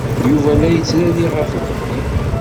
Yuba la yettnadi ɣef uxeddim.